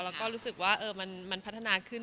แล้วก็รู้สึกว่ามันพัฒนาขึ้น